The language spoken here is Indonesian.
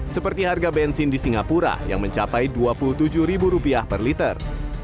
seperti harga bensin di singapura yang mencapai rp dua puluh tujuh per liter